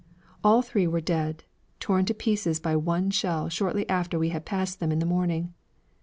All three were dead, torn to pieces by one shell shortly after we had passed them in the morning.